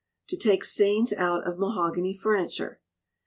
To take Stains out of Mahogany Furniture.